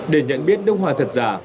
để nhận biết nước hoa thật giả